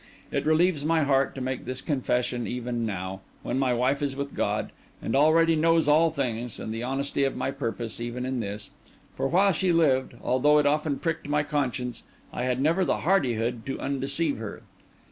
It relieves my heart to make this confession even now, when my wife is with God, and already knows all things, and the honesty of my purpose even in this; for while she lived, although it often pricked my conscience, I had never the hardihood to undeceive her.